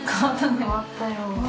変わったよ。